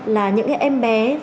là những em bé